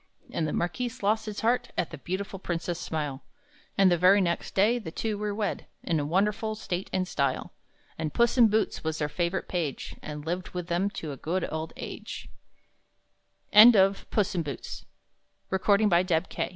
And the Marquis lost his heart At the beautiful princess' smile; And the very next day the two were wed, In wonderful state and style. And Puss in Boots was their favorite page, And lived with them to a good old age. GOLD LOCKS' DREAM OF PUSSIE WILLOW. By Clara Doty Bates.